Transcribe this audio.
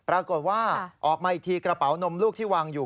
ออกมาอีกทีกระเป๋านมลูกที่วางอยู่